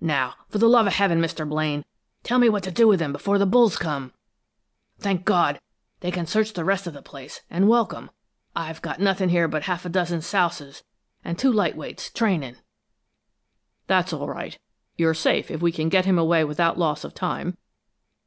Now, for the love of Heaven, Mr. Blaine, tell me what to do with him before the bulls come! Thank God, they can search the rest of the place, and welcome I've got nothin' here but a half dozen souses, and two light weights, training." "That's all right! You're safe if we can get him away without loss of time.